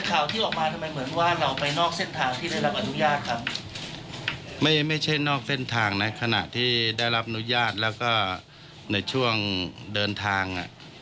ข่าวที่ออกมาทำไมเหมือนว่าเราไปนอกเส้นทางที่ได้รับอนุญาตครับไม่ใช่นอกเส้นทางนะขณะที่ได้รับอนุญาตแล้วก็ในช่วงเดินทางอ่ะ